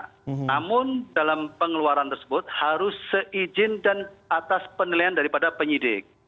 namun dalam pengeluaran tersebut harus seizin dan atas penilaian daripada penyidik